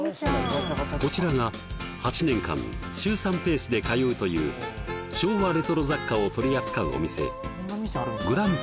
こちらが８年間週３ペースで通うという昭和レトロ雑貨を取り扱うお店グラン